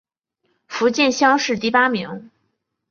福建乡试第八名。